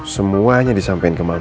semuanya disampaikan ke mama